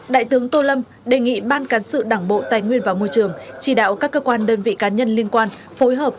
đại tướng tô lâm đề nghị ban cán sự đảng bộ tài nguyên và môi trường chỉ đạo các cơ quan đơn vị cá nhân liên quan phối hợp